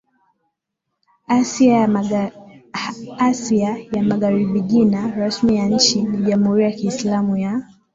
Asia ya MagharibiJina rasmi ya nchi ni Jamhuri ya Kiislamu ya